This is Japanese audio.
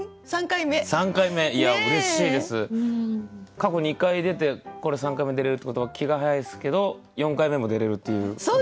過去２回出てこれ３回目出れるってことは気が早いですけど４回目も出れるっていう。